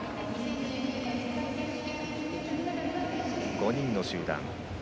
５人の集団。